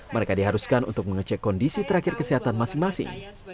mereka diharuskan untuk mengecek kondisi terakhir kesehatan masing masing